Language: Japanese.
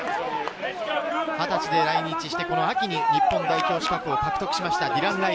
２０歳で来日して、この秋に日本代表資格を獲得しました。